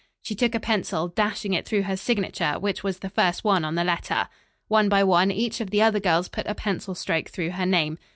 She took a pencil, dashing it through her signature, which was the first one on the letter. One by one each of the other girls put a pencil stroke through her name.